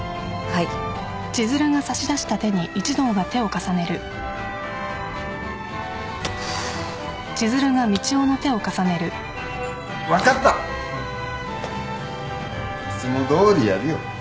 いつもどおりやるよ。